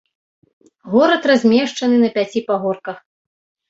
Горад размешчаны на пяці пагорках.